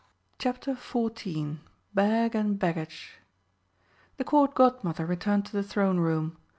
CHAPTER XIV BAG AND BAGGAGE The Court Godmother returned to the Throne room.